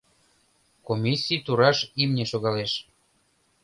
Комиссий тураш имне шогалеш.